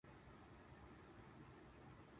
私はトンカツが食べたいです